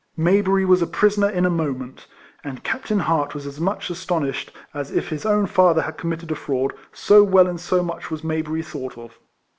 ]\Iayberry was a prisoner in a moment; and Captain Hart was as much astonished as if his own father had committed a fraud, so well and so much was Mayberry thought of.